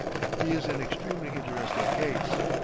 His is an extremely interesting case.